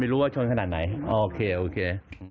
อ๋อไม่รู้ว่าชนขนาดไหนโอเคโอเค